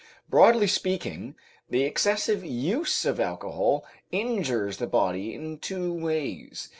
Broadly speaking, the excessive use of alcohol injures the body in two ways.